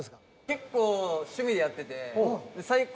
結構趣味でやってて。